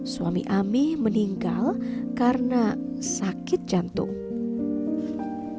suami ami meninggal karena sakit jantung